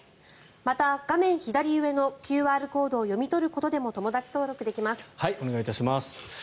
また、画面左上のＱＲコードを読み取ることでもお願いいたします。